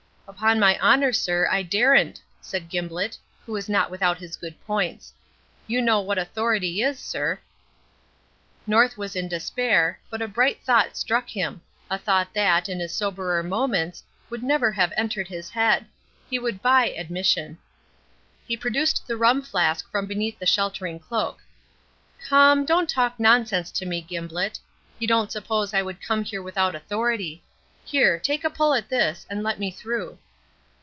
"Upon my honour, sir, I daren't," said Gimblett, who was not without his good points. "You know what authority is, sir." North was in despair, but a bright thought struck him a thought that, in his soberer moments, would never have entered his head he would buy admission. He produced the rum flask from beneath the sheltering cloak. "Come, don't talk nonsense to me, Gimblett. You don't suppose I would come here without authority. Here, take a pull at this, and let me through."